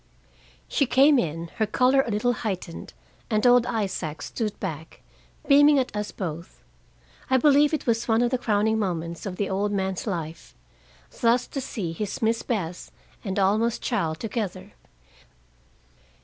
She came in, her color a little heightened, and old Isaac stood back, beaming at us both; I believe it was one of the crowning moments of the old man's life thus to see his Miss Bess and Alma's child together.